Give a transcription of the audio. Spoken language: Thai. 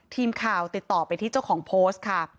ทีมข่าวติดต่อไปที่เจ้าของโพสต์ค่ะ